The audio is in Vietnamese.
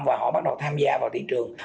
và họ bắt đầu tham gia vào thị trường